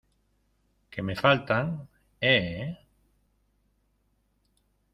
que me faltan, ¿ eh?